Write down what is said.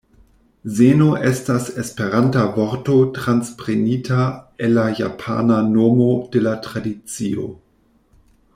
Zeno estas esperanta vorto transprenita el la japana nomo de la tradicio.